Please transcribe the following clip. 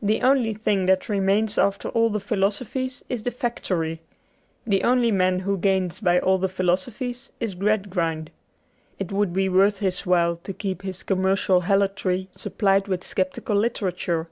The only thing that remains after all the philosophies is the factory. The only man who gains by all the philosophies is Gradgrind. It would be worth his while to keep his commercial helotry supplied with sceptical literature.